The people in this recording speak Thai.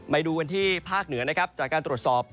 มาดูกันที่ภาคเหนือจากการตรวจสอบ